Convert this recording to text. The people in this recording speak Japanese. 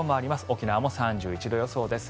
沖縄も３１度予想です。